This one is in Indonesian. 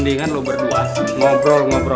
bapak kubu jangan memulai turun